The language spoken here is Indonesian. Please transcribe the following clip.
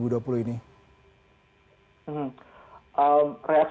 hmm reaksinya donald trump